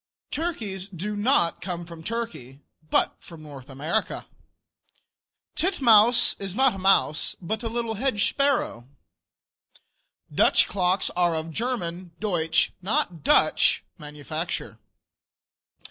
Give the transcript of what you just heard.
Turkeys do not come from Turkey, but North America. Titmouse is not a mouse, but a little hedge sparrow. Dutch clocks are of German (Deutsch), not Dutch manufacture.